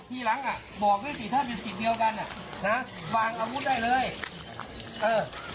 ทีหลังอ่ะบอกได้สิถ้าเป็นสิทธิ์เดียวกันอ่ะนะวางอาวุธได้เลยเออ